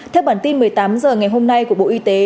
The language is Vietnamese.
theo bản tin một mươi tám h ngày hôm nay của bộ y tế